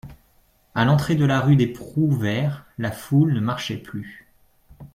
À l'entrée de la rue des Prouvaires, la foule ne marchait plus.